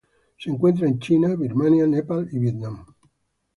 Se encuentra en China, Birmania, Nepal y Vietnam.